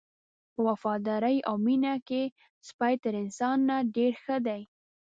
په وفادارۍ او مینه کې سپی تر انسان نه ډېر ښه دی.